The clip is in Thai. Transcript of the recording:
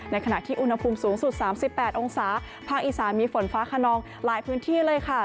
ขณะที่อุณหภูมิสูงสุด๓๘องศาภาคอีสานมีฝนฟ้าขนองหลายพื้นที่เลยค่ะ